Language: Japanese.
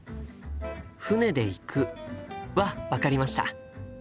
「船で行く」は分かりました。